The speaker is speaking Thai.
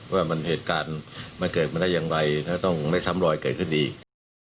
ว่ามันเหตุการณ์มันเกิดมาได้อย่างไรแล้วต้องไม่ซ้ำรอยเกิดขึ้นอีก